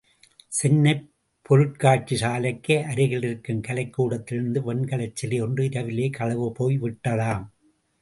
சென்னைப் பொருட்காட்சி சாலைக்கு அருகிலிருக்கும் கலைக்கூடத்திலிருந்து வெண்கலச் சிலையொன்று இரவிலே களவு போய் விட்டதாம்.